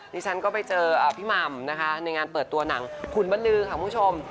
ดิฉันก็ไปเจอพี่หม่ำนะคะในงานเปิดตัวหนังขุนบรรลือค่ะคุณผู้ชม